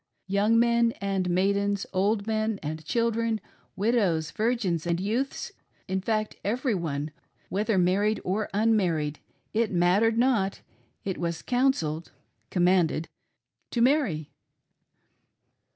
Young men and maidens, old men and children, widows, virgins, and youths — in fact every one whether married or unmarried, it mattered not, was " coun selled "— commanded — to marry.